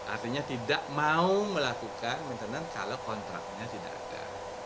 artinya tidak mau melakukan maintenance kalau kontraknya tidak ada